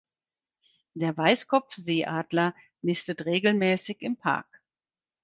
Der Weißkopfseeadler nistet regelmäßig im Park.